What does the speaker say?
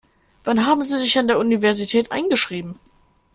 Wann haben Sie sich an der Universität eingeschrieben?